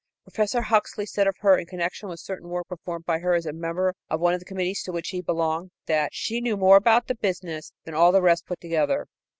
Professor Huxley said of her in connection with certain work performed by her as a member of one of the committees to which he belonged that "she knew more about the business" than all the rest put together.